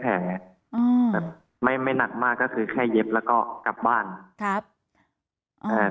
แต่ไม่ไม่หนักมากก็คือแค่เย็บแล้วก็กลับบ้านครับอืม